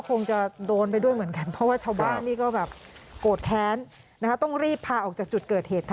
เกือบไม่รอดนะคะ